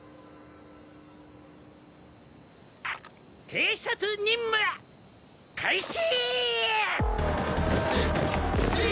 偵察任務開始！